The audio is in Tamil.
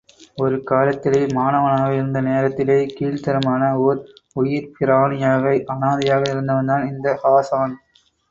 ஒரு காலத்திலே, மாணவனாக இருந்த நேரத்திலே கீழ்த்தரமான ஓர் உயிர்ப்பிராணியாக அனாதையாக இருந்தவன்தான் இந்த ஹாஸான்.